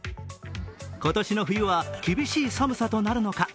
今年の冬は厳しい寒さとなるのか。